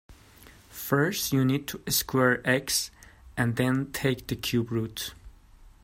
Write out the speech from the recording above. First you need to square x, and then take the cube root.